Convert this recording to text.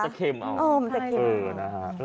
มันจะเข็มออก